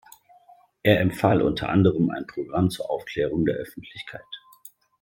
Er empfahl unter anderem ein Programm zur Aufklärung der Öffentlichkeit.